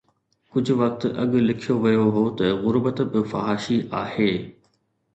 ڪجهه وقت اڳ لکيو ويو هو ته غربت به فحاشي آهي.